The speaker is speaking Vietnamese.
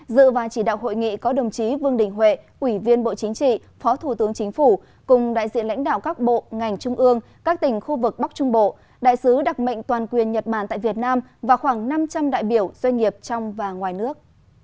dự và chỉ đạo hội nghị có đồng chí vương đình huệ ủy viên bộ chính trị phó thủ tướng chính phủ cùng đại diện lãnh đạo các bộ ngành trung ương các tỉnh khu vực bắc trung bộ đại sứ đặc mệnh toàn quyền nhật bản tại việt nam và khoảng năm trăm linh đại biểu doanh nghiệp trong và ngoài nước